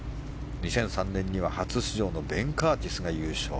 ２００３年には初出場のベン・カーティスが優勝。